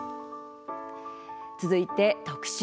続いて特集